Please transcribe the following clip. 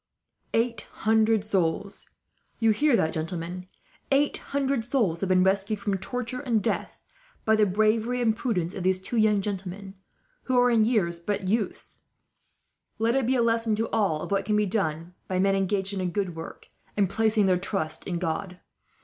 "Eight hundred souls. You hear that, gentlemen? Eight hundred souls have been rescued, from torture and death, by the bravery and prudence of these two young gentlemen, who are in years but youths. Let it be a lesson, to us all, of what can be done by men engaged in a good work, and placing their trust in God.